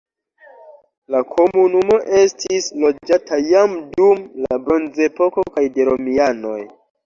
La komunumo estis loĝata jam dum la bronzepoko kaj de romianoj.